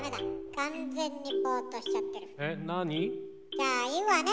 じゃあ言うわね